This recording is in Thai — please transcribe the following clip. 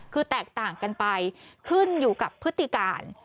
คือแตกต่างกันไปขึ้นอยู่กับพฤติการ